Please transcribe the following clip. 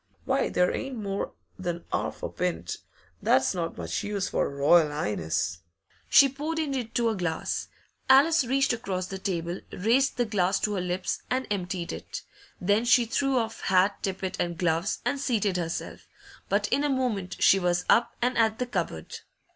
'Why, there ain't more than 'arf a pint; that's not much use for a Royal 'Ighness.' She poured it into a glass. Alice reached across the table, raised the glass to her lips, and emptied it. Then she threw off hat, tippet, and gloves, and seated herself But in a moment she was up and at the cupboard.